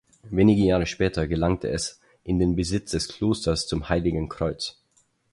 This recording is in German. Wenige Jahre später gelangte es in den Besitz des Klosters zum Heiligen Kreuz.